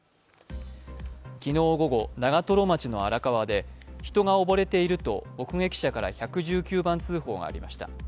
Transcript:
昨日午後、長瀞町の荒川で人が溺れていると目撃者から１１９番通報がありました。